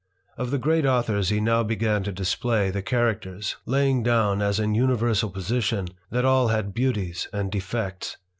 Of the great authors he now began to display the diaracters, laying down as an universal position, that all had beauties and defects.